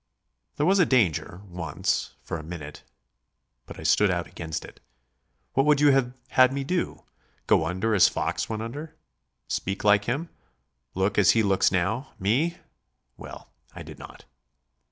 There was a danger, once, for a minute.... But I stood out against it. What would you have had me do? Go under as Fox went under? Speak like him, look as he looks now.... Me? Well, I did not."